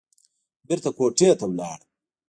بېرته کوټې ته لاړم.